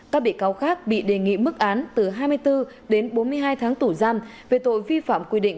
các bị cáo khác bị đề nghị mức án từ hai mươi bốn đến bốn mươi hai tháng tủ giam về tội vi phạm quy định